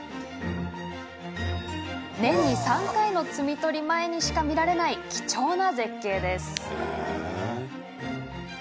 年に３回の摘み取り前にしか見られない、貴重な絶景です。